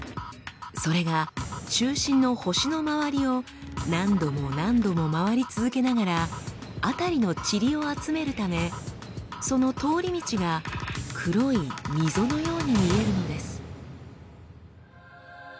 それが中心の星の周りを何度も何度も回り続けながら辺りのチリを集めるためその通り道が黒い溝のように見えるのです。